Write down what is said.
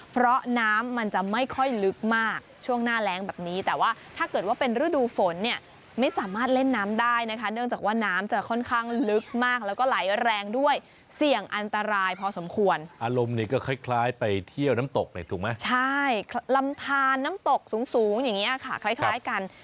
ผ่านน้ำตกสูงอย่างนี้ค่ะคล้ายกัน